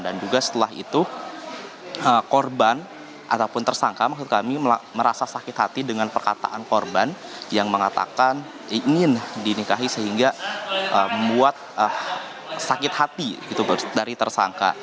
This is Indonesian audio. dan juga setelah itu korban ataupun tersangka maksud kami merasa sakit hati dengan perkataan korban yang mengatakan ingin dinikahi sehingga membuat sakit hati dari tersangka